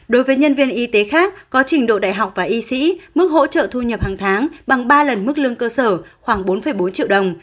đối với nhân viên y tế khác có trình độ đại học và y sĩ mức hỗ trợ thu nhập hàng tháng bằng ba lần mức lương cơ sở khoảng bốn bốn triệu đồng